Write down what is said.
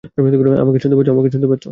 আমাকে শুনতে পাচ্ছ?